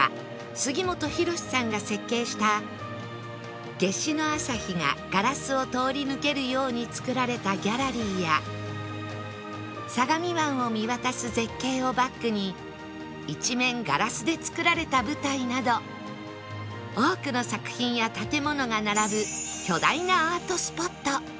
杉本博司さんが設計した夏至の朝日がガラスを通り抜けるように造られたギャラリーや相模湾を見渡す絶景をバックに一面ガラスで造られた舞台など多くの作品や建物が並ぶ